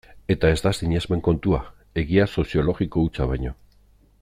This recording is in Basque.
Eta ez da sinesmen kontua, egia soziologiko hutsa baino.